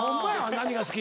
「何が好き？